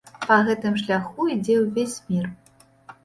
Па гэтым шляху ідзе ўвесь мір.